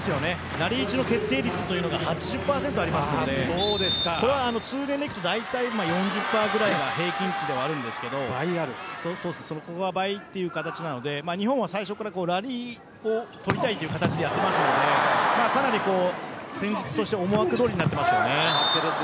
ラリー中の決定率が８０％ありますのでこれは通年でいくと４０％くらいが平均値ではあるんですが倍という形なので日本は最初からラリーを取りたいという形でやっているのでかなり戦術として思惑どおりになっていますよね。